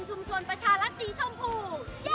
ชวนประชาลักษณ์สีชมพู